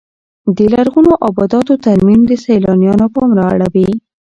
د لرغونو ابداتو ترمیم د سیلانیانو پام را اړوي.